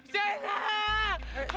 terima kasih pak